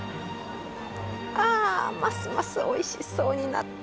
あますますおいしそうになった。